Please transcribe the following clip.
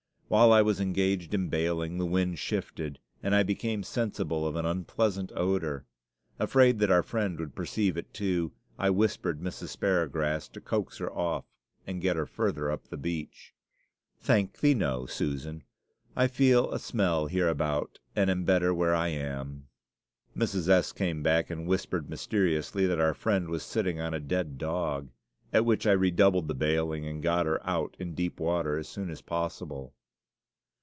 While I was engaged in bailing, the wind shifted, and I became sensible of an unpleasant odor; afraid that our Friend would perceive it, too, I whispered Mrs. Sparrowgrass to coax her off and get her farther up the beach. "Thank thee, no, Susan; I feel a smell hereabout and I am better where I am." Mrs. S. came back and whispered mysteriously that our Friend was sitting on a dead dog, at which I redoubled the bailing and got her out in deep water as soon as possible.